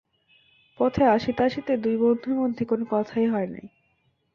পথে আসিতে আসিতে দুই বন্ধুর মধ্যে কোনো কথাই হয় নাই।